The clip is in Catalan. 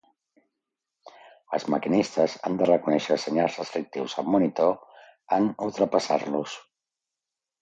Els maquinistes han de reconèixer els senyals restrictius al monitor en ultrapassar-los.